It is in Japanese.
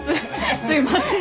すいません。